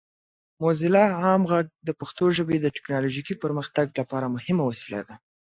موزیلا عام غږ د پښتو ژبې د ټیکنالوجیکي پرمختګ لپاره مهمه وسیله ده.